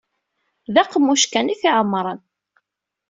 D aqemmuc kan i t-iɛemmren.